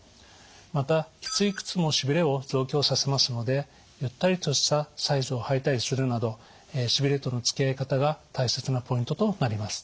またきつい靴もしびれを増強させますのでゆったりとしたサイズを履いたりするなどしびれとのつきあい方が大切なポイントとなります。